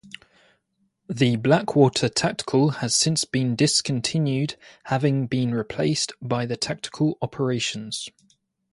The Blackwater Tactical has since been discontinued, having been replaced by the Tactical Operations.